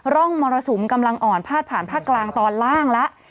ร่องมรสุมกำลังอ่อนพาดผ่านภาคกลางตอนล่างแล้ว